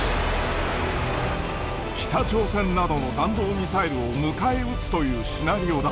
北朝鮮などの弾道ミサイルを迎え撃つというシナリオだ。